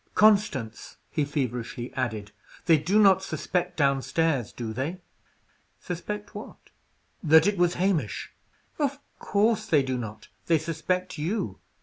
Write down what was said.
Constance," he feverishly added, "they do not suspect downstairs, do they?" "Suspect what?" "That it was Hamish." "Of course they do not. They suspect you.